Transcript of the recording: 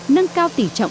nâng cao tỉ trọng